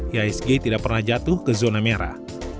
iasg tidak pernah jatuh ke zona merah